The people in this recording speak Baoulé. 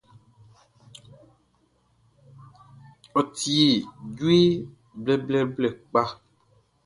Ɔ tie djue blɛblɛblɛ kpa.